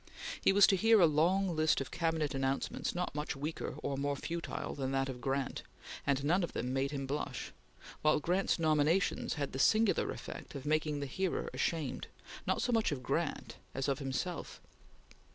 He was to hear a long list of Cabinet announcements not much weaker or more futile than that of Grant, and none of them made him blush, while Grant's nominations had the singular effect of making the hearer ashamed, not so much of Grant, as of himself.